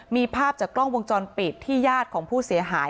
มีภาพจากกล้องวงจรปิดที่ญาติของผู้เสียหาย